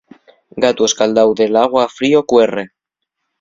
Gatu escaldáu del agua frío cuerre.